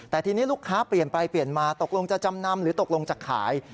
แต่ทีนี้ลูกค้าเปลี่ยนไปเปลี่ยนมาตกลงจะจำนำหรือตกลงจะขาย